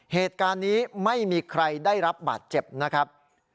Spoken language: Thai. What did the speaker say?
เหตุการณ์นี้ไม่มีใครได้รับบาดเจ็บนะครับ